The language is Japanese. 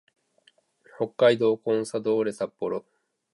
北海道コンサドーレ札幌